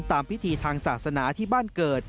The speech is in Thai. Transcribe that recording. พิธีทางศาสนาที่บ้านเกิด